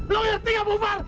lu yang tinggal bubar